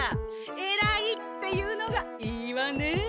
えらいっていうのがいいわね。